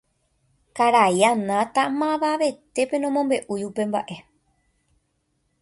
Karai Anata mavavetépe nomombe'úi upe mba'e.